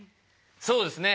そうですね。